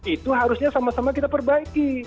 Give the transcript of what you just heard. itu harusnya sama sama kita perbaiki